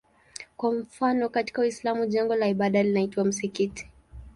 Kwa mfano katika Uislamu jengo la ibada linaitwa msikiti.